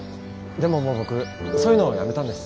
でももう僕そういうのやめたんです。